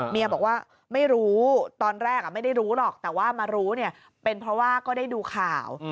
เมียบอกว่าไม่รู้ตอนแรกไม่ได้รู้หรอกแต่ว่ามารู้เนี่ยเป็นเพราะว่าก็ได้ดูข่าว